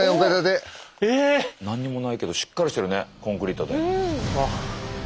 何にもないけどしっかりしてるねコンクリートで。